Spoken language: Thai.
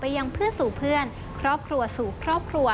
ยังเพื่อนสู่เพื่อนครอบครัวสู่ครอบครัว